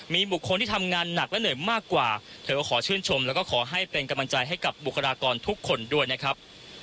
มีบุคคลที่ทำงานหนักและเหนื่อยมากกว่าเธอก็ขอชื่นชมแล้วก็ขอให้เป็นกำลังใจให้กับบุคลากรทุกคนด้วยนะครับ